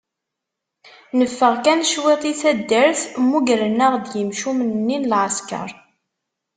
Neffeɣ kan cwiṭ i taddart mmugren-aɣ yimcumen-nni n lɛesker.